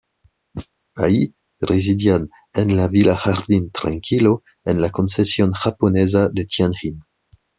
Allí, residían en la "Villa Jardín Tranquilo", en la concesión japonesa de Tianjin.